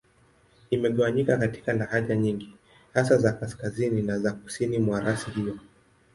Imegawanyika katika lahaja nyingi, hasa za Kaskazini na za Kusini mwa rasi hiyo.